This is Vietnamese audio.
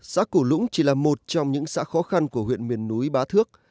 xá củ lũng chỉ là một trong những xã khó khăn của huyện miền núi bá thước